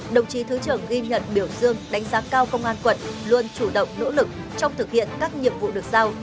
đồng chí thứ trưởng ghi nhận biểu dương đánh giá cao công an quận luôn chủ động nỗ lực trong thực hiện các nhiệm vụ được giao